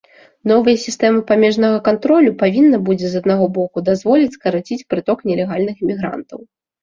Новая сістэма памежнага кантролю павінна будзе з аднаго боку дазволіць скараціць прыток нелегальных мігрантаў.